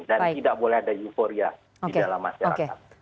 dan tidak boleh ada euforia di dalam masyarakat